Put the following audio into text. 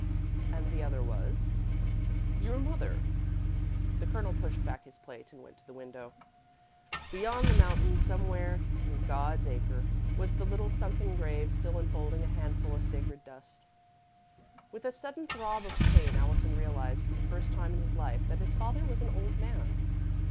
"And the other was " "Your mother." The Colonel pushed back his plate and went to the window. Beyond the mountains, somewhere in "God's acre," was the little sunken grave still enfolding a handful of sacred dust. With a sudden throb of pain, Allison realised, for the first time in his life, that his father was an old man.